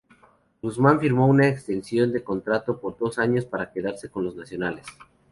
Guzmán firmó una extensión de contrato por dos años para quedarse con los Nacionales.